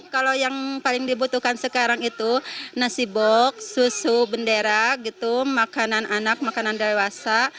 kalau yang paling dibutuhkan sekarang itu nasi bok susu bendera gitu makanan anak makanan dewasa